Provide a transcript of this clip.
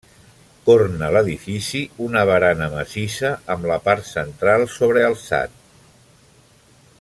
Corna l'edifici una barana massissa amb la part central sobrealçat.